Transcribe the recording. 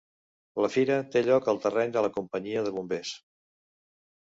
La fira te lloc al terreny de la Companyia de Bombers.